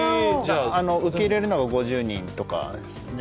あの受け入れるのが５０人とかですね